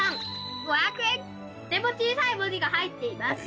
とても小さい文字が入っています。